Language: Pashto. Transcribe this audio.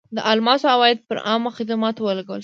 د الماسو عواید پر عامه خدماتو ولګول شول.